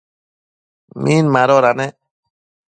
Min madoda nec ?